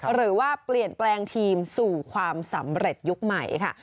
หรือว่าเปลี่ยนแปลงทีมสู่ความสำเร็จยุคใหม่ค่ะ